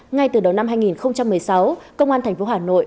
ngay từ đầu năm hai nghìn một mươi sáu công an thành phố hà nội